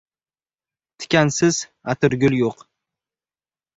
• Tikansiz atirgul yo‘q.